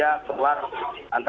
sehingga dia keluar antar kabupaten